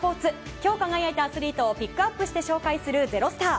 今日輝いたアスリートをピックアップして紹介する「＃ｚｅｒｏｓｔａｒ」。